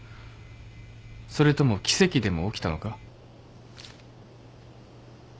それとも奇跡でも起きたのか？